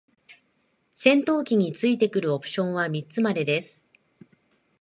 戦闘機に付いてくるオプションは三つまでです。